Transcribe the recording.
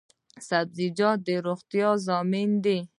سبزیجات د روغتیا ضامن دي